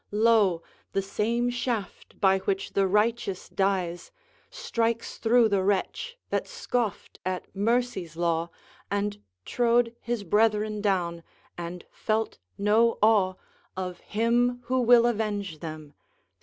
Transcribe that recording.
Lo! the same shaft by which the righteous dies, Strikes through the wretch that scoffed at mercy's law And trode his brethren down, and felt no awe Of Him who will avenge them.